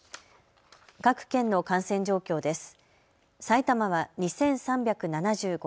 各県の感染状況です。